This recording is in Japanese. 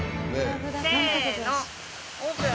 せのオープン！